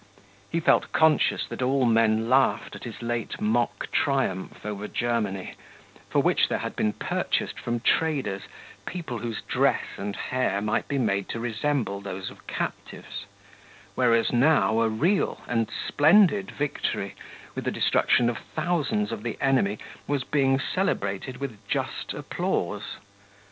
He felt conscious that all men laughed at his late mock triumph over Germany, for which there had been purchased from traders people whose dress and hair might be made to resemble those of captives, whereas now a real and splendid victory, with the destruction of thousands of the enemy, was being celebrated with just applause.